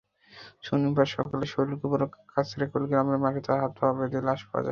শনিবার সকালে শৈলকুপার কাঁচেরকোল গ্রামের মাঠে তাঁর হাত-পা বাঁধা লাশ পাওয়া যায়।